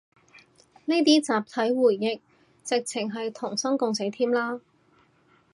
呢啲集體回憶，直程係同生共死添啦